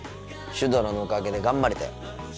シュドラのおかげで頑張れたよ。